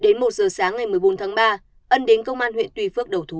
đến một giờ sáng ngày một mươi bốn tháng ba ân đến công an huyện tuy phước đầu thú